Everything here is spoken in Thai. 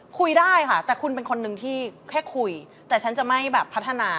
คุยได้ค่ะแต่คุณเป็นคนนึงที่แค่คุยแต่ฉันจะไม่แบบพัฒนา